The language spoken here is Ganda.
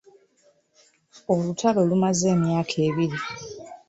Olutalo lumaze emyaka ebiri.